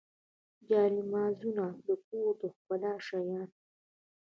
جانمازونه د کور د ښکلا شیان.